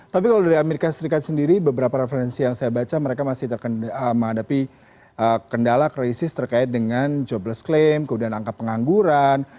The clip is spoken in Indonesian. tapi kalau dari amerika serikat sendiri beberapa referensi yang saya baca mereka masih menghadapi kendala krisis terkait dengan jobless claim kemudian angka pengangguran